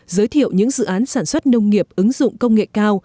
giới thiệu những dự án sản xuất nông nghiệp ứng dụng công nghệ cao